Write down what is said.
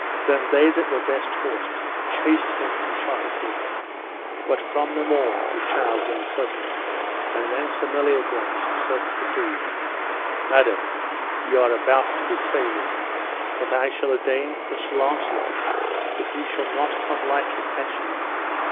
Then they that were best horsed chased him and shot at him, but from them all the child went suddenly. And then Sir Meliagrance said to the queen: Madam, ye are about to betray me, but I shall ordain for Sir Launcelot that he shall not come lightly at you.